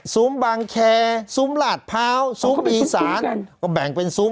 บางแคร์ซุ้มลาดพร้าวซุ้มอีสานก็แบ่งเป็นซุ้ม